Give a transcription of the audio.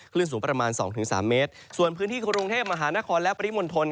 พื้นที่ประมาณ๒๓เมตรส่วนพื้นที่กรุงเทพฯมหาและบริมนตร